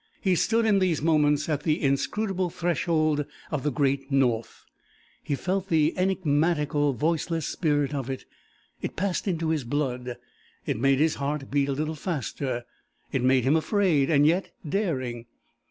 He stood, in these moments, at the inscrutable threshold of the great North; he felt the enigmatical, voiceless spirit of it; it passed into his blood; it made his heart beat a little faster; it made him afraid, and yet daring.